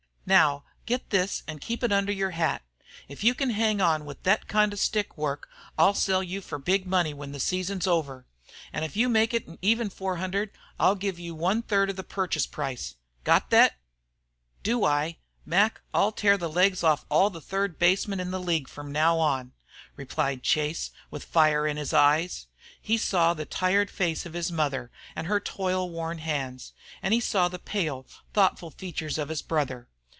Now get this an' keep it under your hat. If you can hang on with thet kind of stick work I'll sell you for big money when the season's over. An' if you make it an even 400 I'll give you one third of the purchase price. Got thet!" "Do I? Mac, I'll tear the legs off all the third basemen in the league from now on," replied Chase, with fire in his eye. He saw the tired face of his mother and her toil worn hands, and he saw the pale, thoughtful features of his brother.